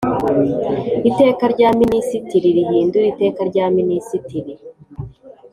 Iteka rya Minisitiri rihindura Iteka rya Minisitiri